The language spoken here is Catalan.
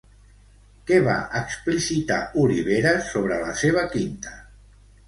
Què va explicitar, Oliveras, sobre la seva quinta?